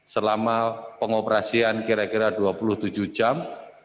selama pengoperasian kira kira dua puluh tujuh jam